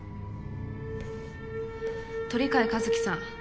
鳥飼一輝さん。